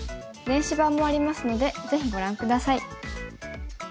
電子版もありますのでぜひご覧下さい。